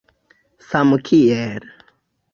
samkiel